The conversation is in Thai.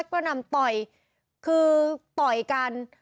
กระหน่ำต่อยคือต่อยกัน